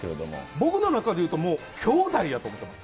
僕の中でいうともう兄弟やと思ってます。